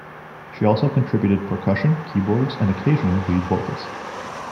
She also contributed percussion, keyboards, and occasional lead vocals.